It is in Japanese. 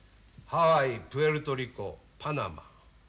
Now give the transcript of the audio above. ハワイプエルトリコパナマ。